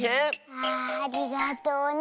ああありがとうね。